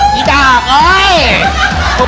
นี่ดอกโอ๊ย